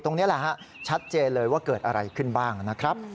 ตรงนี้แหละฮะชัดเจนเลยว่าเกิดอะไรขึ้นบ้างนะครับ